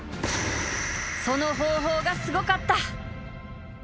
［その方法がすごかった］